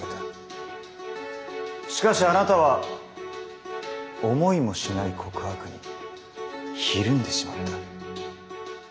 しかしあなたは思いもしない告白にひるんでしまった。